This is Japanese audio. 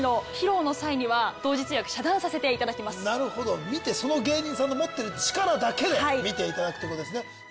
なるほど見てその芸人さんの持ってる力だけで見ていただくということですね。